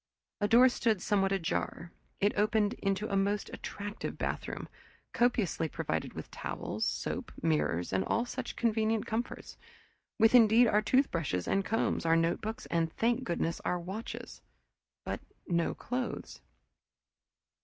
A door stood somewhat ajar; it opened into a most attractive bathroom, copiously provided with towels, soap, mirrors, and all such convenient comforts, with indeed our toothbrushes and combs, our notebooks, and thank goodness, our watches but no clothes.